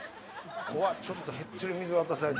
ちょっと減ってる水渡されて。